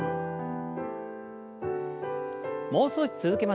もう少し続けましょう。